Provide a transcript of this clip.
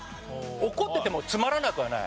怒っててもつまらなくはない。